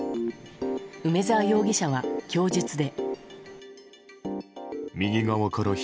梅沢容疑者は供述で。